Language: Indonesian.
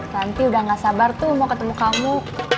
nanti udah gak sabar tuh mau ketemu kamu